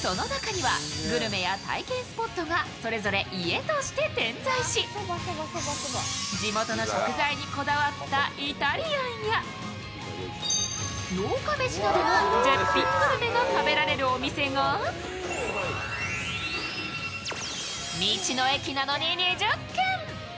その中にはグルメや体験スポットがそれぞれ家として点在し地元の食材にこだわったイタリアンや、農家飯などの絶品グルメが食べられるお店が道の駅なのに２０軒！